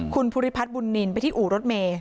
คุณภูริพัฒน์บุญนินไปที่อู่รถเมย์